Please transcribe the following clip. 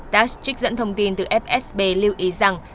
tax trích dẫn thông tin từ fsb lưu ý rằng